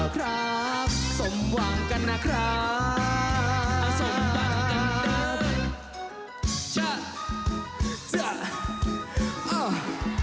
คราบที่สมหวังนะคราบ